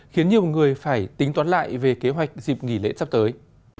khiến nhiều người phải tính toán lại về kế hoạch dịp nghỉ lễ sắp tới